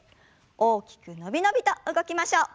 大きくのびのびと動きましょう。